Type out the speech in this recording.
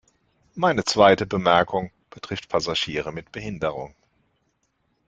Meine zweite Bemerkung betrifft Passagiere mit Behinderung.